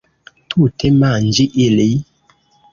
Tute manĝi ili.